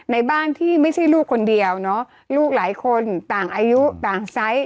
ในบ้านที่ไม่ใช่ลูกคนเดียวเนาะลูกหลายคนต่างอายุต่างไซส์